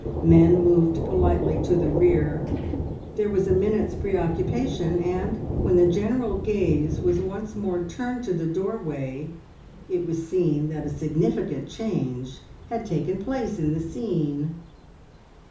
Men moved politely to the rear. There was a minute's preoccupation, and when the general gaze was once more turned to the doorway, it was seen that a significant change had taken place in the scene.